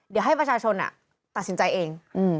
เดี๋ยวให้ประชาชนตัดสินใจเอง